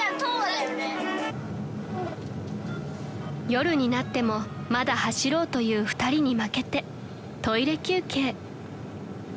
［夜になってもまだ走ろうという２人に負けてトイレ休憩］